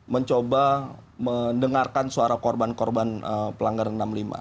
mencoba mendengarkan suara korban korban pelanggaran enam puluh lima